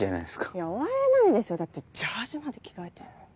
いや終われないですよだってジャージーまで着替えてんのに。